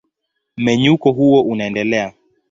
Mmenyuko huo unaendelea.